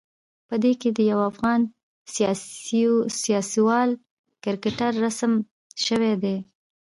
په دې کې د یوه افغان سیاستوال کرکتر رسم شوی دی.